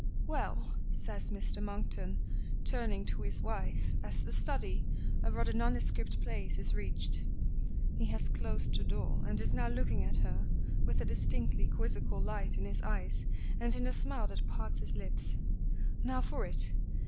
"Well," says Mr. Monkton, turning to his wife as the study (a rather nondescript place) is reached. He has closed the door, and is now looking at her with a distinctly quizzical light in his eyes and in the smile that parts his lips. "Now for it.